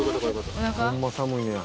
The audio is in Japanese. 「ホンマ寒いんや」